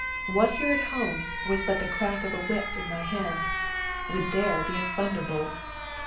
What here at home was but the crack of a whip in my hands, would there be a thunderbolt!